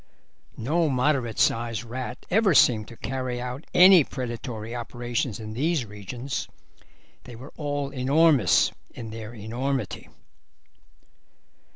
No moderate sized rat ever seemed to carry out any predatory operations in these regions; they were all enormous in their enormity.